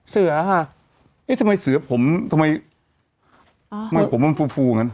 เสือค่ะเอ๊ะทำไมเสือผมทำไมอ่าไม่ผมว่ามันฟูฟูอย่างนั้น